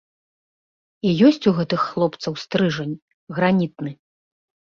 І ёсць у гэтых хлопцаў стрыжань, гранітны.